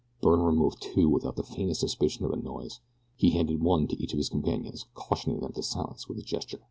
Byrne removed two without the faintest suspicion of a noise. He handed one to each of his companions, cautioning them to silence with a gesture.